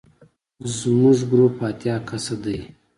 زموږ ګروپ اتیا کسه دی.